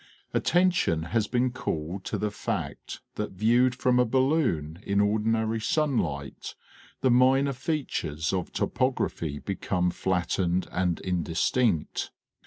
Attention has been called to the fact that viewed from a balloon in ordinary sunlight the minor features of topography become flattened and indistinct.